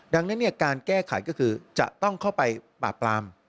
ดังนั้นการแก้ไขก็คือจะต้องเข้าไปปราบปราม